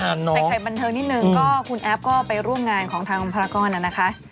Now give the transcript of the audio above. ใส่ไข่บันเทิงนิดนึงก็คุณแอฟก็ไปร่วมงานของทางภารกรน่ะนะคะ